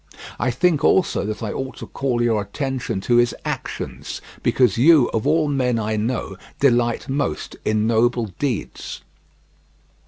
I think also that I ought to call your attention to his actions, because you of all men I know delight most in noble deeds.